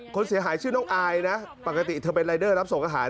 คนเสียหายชื่อน้องอายนะปกติเธอเป็นรายเดอร์รับส่งอาหาร